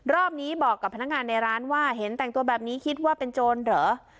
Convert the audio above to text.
รอบนี้บอกกับพนักงานในร้านว่าเห็นแต่งตัวแบบนี้คิดว่าเป็นโจรเหรอ